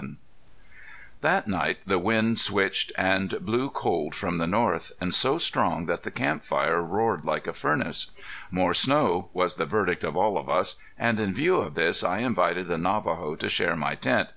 VII That night the wind switched and blew cold from the north, and so strong that the camp fire roared like a furnace. "More snow" was the verdict of all of us, and in view of this, I invited the Navajo to share my tent.